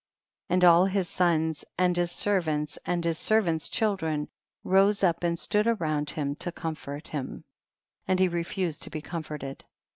And all his sons and his ser vants and his servants' children rose up and stood round him to comfort him, and he refused to be comforted.